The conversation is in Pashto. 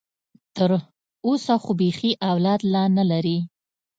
تر اوسه خو بيخي اولاد لا نه لري.